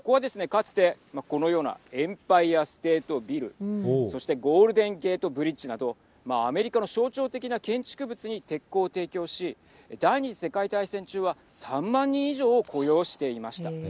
かつて、このようなエンパイアステートビルそしてゴールデンゲートブリッジなどアメリカの象徴的な建築物に鉄鋼を提供し第２次世界大戦中は３万人以上を雇用していました。